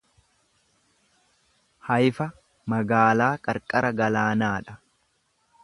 Haifa magaalaa qarqara galaanaa dha.